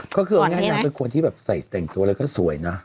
ก็คือเอาอย่างนี้นะนางเป็นคนที่แบบใส่แต่งตัวอะไรก็สวยนะ